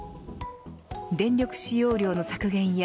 電力使用量の削減や